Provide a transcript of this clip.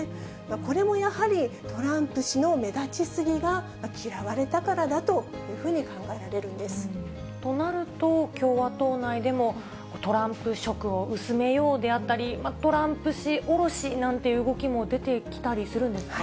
これもやはり、トランプ氏の目立ちすぎが嫌われたからだというふうに考えられるとなると、共和党内でも、トランプ色を薄めようであったり、トランプ氏降ろしなんて動きも出てきたりするんですか。